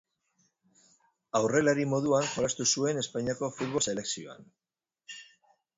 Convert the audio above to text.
Aurrelari moduan jolastu zuen Espainiako futbol selekzioan.